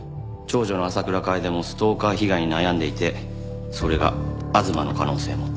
長女の浅倉楓もストーカー被害に悩んでいてそれが吾妻の可能性も。